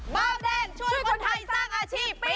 เบาแดงช่วยคนไทยสร้างอาชีพปี๒